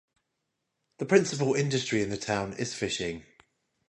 The principal industry in the town is fishing.